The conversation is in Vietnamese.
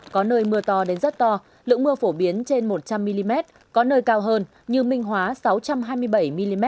có nơi mưa to đến rất to lượng mưa phổ biến trên một trăm linh mm có nơi cao hơn như minh hóa sáu trăm hai mươi bảy mm